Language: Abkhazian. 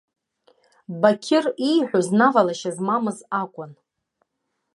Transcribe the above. Бақьыр ииҳәоз навалашьа змамыз акәын.